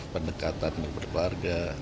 pendekatan kepada keluarga